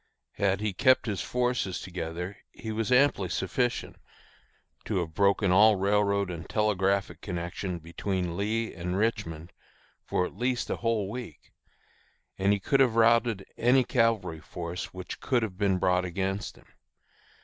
Had he kept his forces together he was amply sufficient to have broken all railroad and telegraphic connection between Lee and Richmond at least for a whole week, and he could have routed any cavalry force which could have been brought against him.